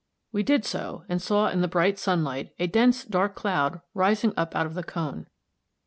We did so, and saw in the bright sunlight a dense dark cloud rising up out of the cone.